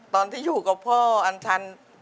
ตอนที่อยู่กับพ่ออันทัน